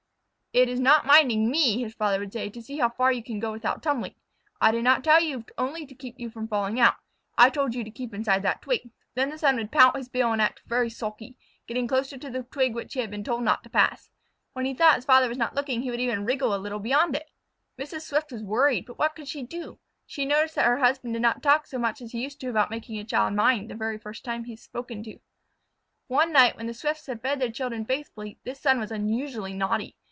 "It is not minding me," his father would say, "to see how far you can go without tumbling. I did not tell you only to keep from falling out. I told you to keep inside that twig." Then the son would pout his bill and act very sulky, getting close to the twig which he had been told not to pass. When he thought his father was not looking, he would even wriggle a little beyond it. Mrs. Swift was worried, but what could she do? She noticed that her husband did not talk so much as he used to about making a child mind the very first time he is spoken to. One night when the Swifts had fed their children faithfully, this son was unusually naughty.